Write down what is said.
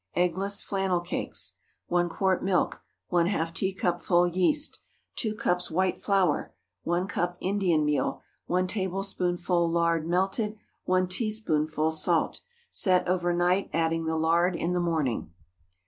EGGLESS FLANNEL CAKES. 1 quart milk. ½ teacupful yeast. 2 cups white flour. 1 cup Indian meal. 1 tablespoonful lard, melted. 1 teaspoonful salt. Set over night, adding the lard in the morning.